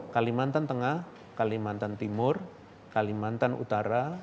kalimantan tengah kalimantan timur kalimantan utara